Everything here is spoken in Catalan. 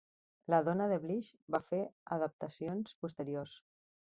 La dona de Blish va fer adaptacions posteriors.